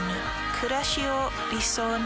くらしを理想に。